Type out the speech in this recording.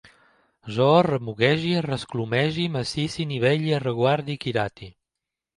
Jo remuguege, resclumege, massisse, nivelle, reguarde, quirate